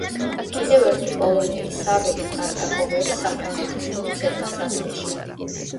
კიდევ ერთი პოლონელი, საველი ტარტაკოვერი საფრანგეთის გუნდს ედგა სათვეში.